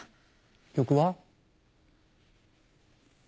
曲は？